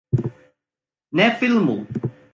Ne filmu